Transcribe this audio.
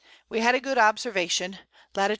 We had a good Observation, Lat.